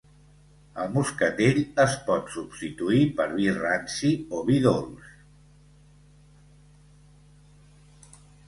El moscatell es pot substituir per vi ranci o vi dolç.